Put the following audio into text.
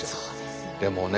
でもね